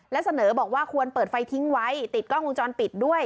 และเสนอบอกว่าควรเปิดไฟทิ้งไว้ติดกล้องวงจรปิดด้วย